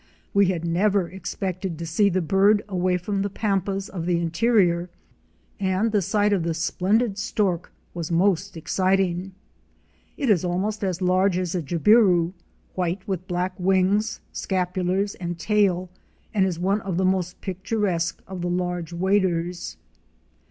We had never expected to see the bird away from the pampas of the interior and the sight of the splendid Stork was most exciting. It is almost as large as the Jabiru, white with black wings, scapulars and tail and is one of the most picturesque of the larger waders.